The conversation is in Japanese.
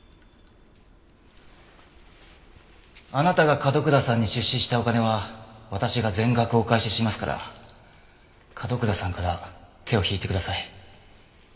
あなたが角倉さんに出資したお金は私が全額お返ししますから角倉さんから手を引いてください。